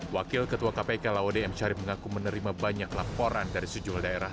wakil ketua kpk laude m syarif mengaku menerima banyak laporan dari sejumlah daerah